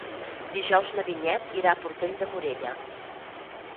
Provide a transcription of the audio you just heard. Dijous na Vinyet irà a Portell de Morella.